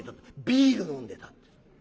『ビール飲んでた』って。